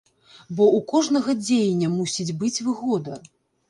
Бо ў кожнага дзеяння мусіць быць выгода.